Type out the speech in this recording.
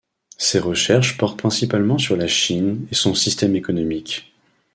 Ses recherches portent principalement sur la Chine et son système économique.